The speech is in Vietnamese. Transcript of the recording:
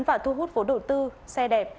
và thu hút vốn đầu tư xe đẹp